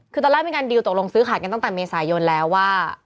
คือตอนแรกมีการดีลตกลงซื้อขาดกันตั้งแต่เมษายนแล้วว่า